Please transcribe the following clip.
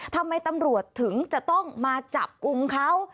ทำไมตำรวจถึงจะต้องมาจับกลุ่มเขา